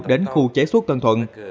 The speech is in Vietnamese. đến khu chế xuất tên thuần